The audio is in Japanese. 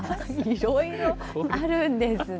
いろいろあるんですね。